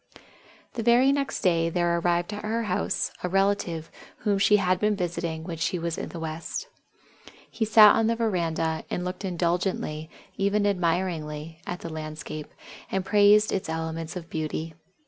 The very next day there arrived at her house a relative whom she had been visiting when she was in the West. He sat on the veranda, and looked indulgently even admiringly at the landscape, and praised its elements of beauty.